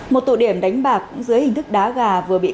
một tụ điểm đánh bạc dưới hình thức đá gà vừa bị cắt